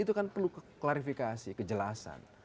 itu kan perlu klarifikasi kejelasan